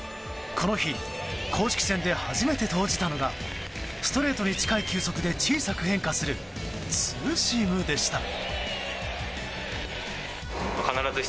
この日公式戦で初めて投じたのがストレートに近い球速で小さく変化するツーシームでした。